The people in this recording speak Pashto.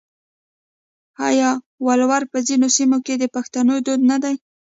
آیا ولور په ځینو سیمو کې د پښتنو دود نه دی؟